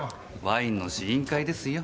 ワインの試飲会ですよ。